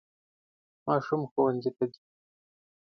ماشوم ښوونځي ته ځي.